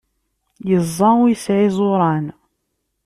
Yeẓẓa ur yesɛi iẓuran.